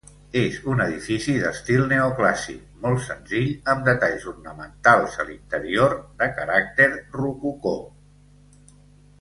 És un edifici d'estil neoclàssic, molt senzill, amb detalls ornamentals, a l'interior, de caràcter rococó.